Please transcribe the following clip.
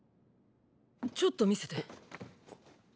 ちょっと見せて。